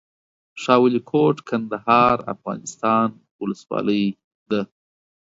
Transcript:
شاه ولي کوټ، کندهار افغانستان ولسوالۍ ده